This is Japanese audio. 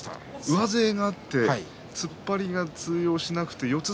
上背があって突っ張りが通用しなくて四つ